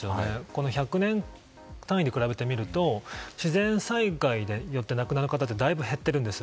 この１００年単位で比べてみると自然災害によって亡くなる方はだいぶ減っているんです。